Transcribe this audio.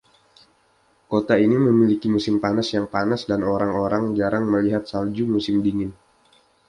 Kota ini memiliki musim panas yang panas dan orang-orang jarang melihat salju musim dingin.